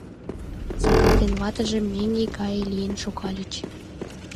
Сакар ден ватыже меҥге гае лийын шогалыт.